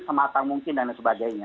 semata mungkin dan sebagainya